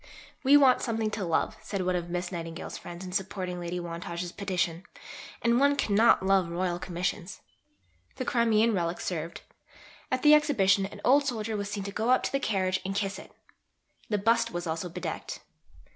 "We want something to love," said one of Miss Nightingale's friends in supporting Lady Wantage's petition, "and one cannot love Royal Commissions." The Crimean relic served. At the Exhibition an old soldier was seen to go up to the carriage and kiss it. The bust was also bedecked.